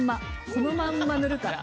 このまんま塗るから。